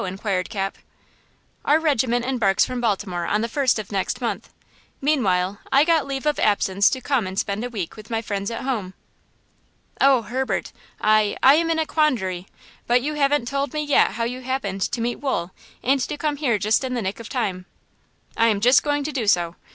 inquired Cap. "Our regiment embarks from Baltimore on the first of next month. Meanwhile I got leave of absence to come and spend a week with my friends at home!" "Oh, Herbert, I–I am in a quandary! But you haven't told me yet how you happened to meet Wool and to come here just in the nick of time!" "I am just going to do so.